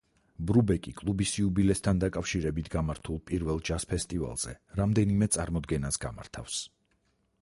ბრუბეკი კლუბის იუბილესთან დაკავშირებით გამართულ პირველ ჯაზ ფესტივალზე რამდენიმე წარმოდგენას გამართავს.